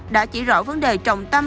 đã chỉ rõ vấn đề trọng tâm